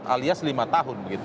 alias lima tahun